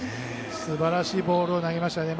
すばらしいボールを投げましたね。